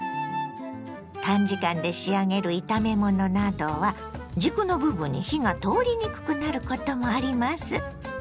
短時間で仕上げる炒め物などは軸の部分に火が通りにくくなることもあります。